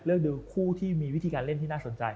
ดูคู่ที่มีวิธีการเล่นที่น่าสนใจ